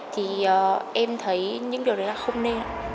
thì em thấy những điều đấy là không nên